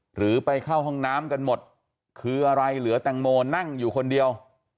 หรือไปเข้าห้องน้ำกันหมดคืออะไรเหลือแตงโมนั่งอยู่คนเดียว